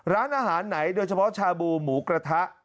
ร้านอาหารไหนโดยเฉพาะชาบูหมูกระทะ